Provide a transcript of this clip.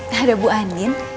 eh ada bu anin